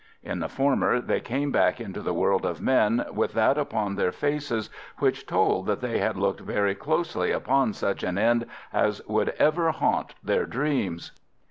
In the former, they came back into the world of men with that upon their faces which told that they had looked very closely upon such an end as would ever haunt their dreams.